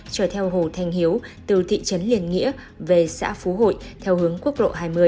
chở theo hồ thanh hiếu từ thị trấn liên nghĩa về xã phú hội theo hướng quốc lộ hai mươi